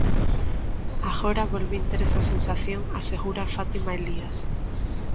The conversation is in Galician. Agora volvín ter esa sensación, asegura Fátima Elías.